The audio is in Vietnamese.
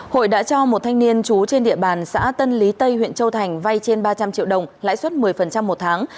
hội đã cho một thanh niên trú trên địa bàn xã tân lý tây huyện châu thành vay trên ba trăm linh triệu đồng lãi suất một mươi một tháng